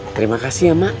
terima kasih ya mak